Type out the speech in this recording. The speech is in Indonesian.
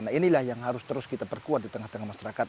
nah inilah yang harus terus kita perkuat di tengah tengah masyarakat